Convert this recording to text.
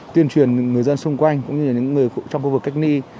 tuyên truyền người dân xung quanh cũng như là những người trong khu vực cách ly